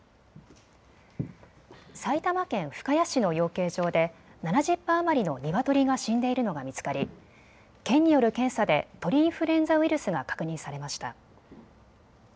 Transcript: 埼玉県深谷市の養鶏場で７０羽余りのニワトリが死んでいるのが見つかり県による検査で鳥インフルエンザウイルスが確認されました。